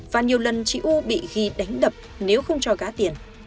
và nhiều lần chị u bị ghi đánh đập nếu không cho cá tiền